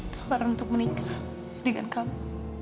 tawaran untuk menikah dengan kamu